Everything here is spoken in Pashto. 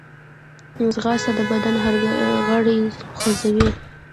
ځغاسته د بدن هر غړی خوځوي